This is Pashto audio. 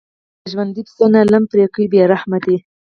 له ژوندي پسه نه لم پرې کوي بې رحمه دي.